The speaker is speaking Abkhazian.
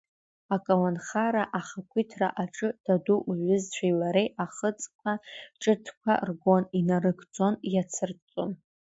Аколнхара Ахақәиҭра аҿы Даду лҩызцәеи лареи ахыдҵа ҿыцқәа ргон, инарыгӡон, иацырҵон.